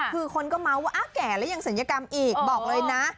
คือคนก็เมาส์ว่าแก่แล้วยังศัลยกรรมอีกบอกเลยนะ